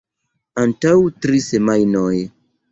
Antaŭ tri semajnoj.